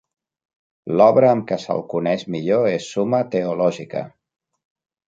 L'obra amb què se'l coneix millor és "Summa Theologica".